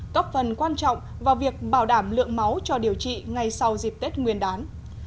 góp phần quan trọng vào việc bảo đảm lượng máu cho điều trị ngay sau dịp tết nguyên đán